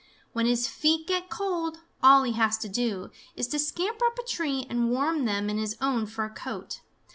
When his feet get cold, all he has to do is to scamper up a tree and warm them in his own fur coat.